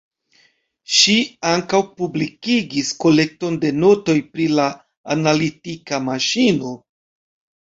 Ŝi ankaŭ publikigis kolekton de notoj pri la analitika maŝino.